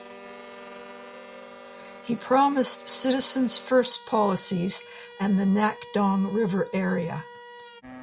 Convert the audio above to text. He promised "Citizens First" policies and the "Nakdong River Era".